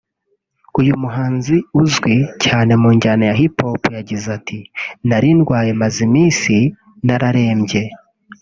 uyu muhanzi uzwi cyane mu njyana ya Hip Hop yagize ati”Nari ndwaye maze iminsi nararembye